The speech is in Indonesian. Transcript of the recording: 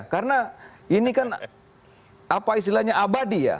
karena ini kan apa istilahnya abadi ya